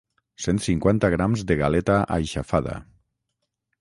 cent cinquanta grams de galeta aixafada